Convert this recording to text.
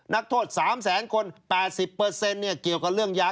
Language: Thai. นักโทษ๓แสนคน๘๐เปอร์เซ็นต์เนี่ยเกี่ยวกับเรื่องยา